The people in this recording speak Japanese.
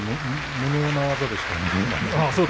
むだな技でしたね。